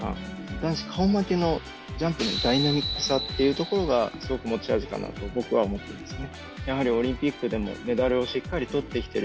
男子顔負けの、ジャンプのダイナミックさっていうところがすごく持ち味かなと僕は思っていますね。